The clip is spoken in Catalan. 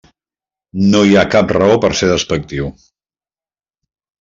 No hi ha cap raó per ser despectiu.